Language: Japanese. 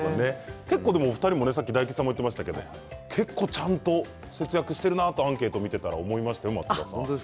お二人も、さっき大吉さんも言ってましたけど結構ちゃんと節約しているなとアンケートを見ていたらそうですか？